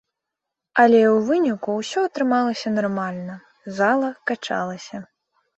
Але ў выніку ўсё атрымалася нармальна, зала качалася.